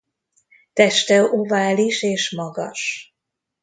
Teste ovális és magas.